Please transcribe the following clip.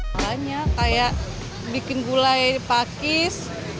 kayak bikin gulai pakis